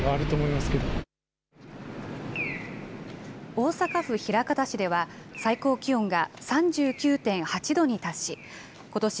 大阪府枚方市では最高気温が３９．８度に達しことし